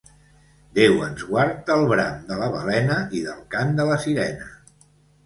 Déu ens guard del bram de la balena i del cant de la sirena.